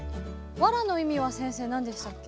ワラの意味は先生何でしたっけ？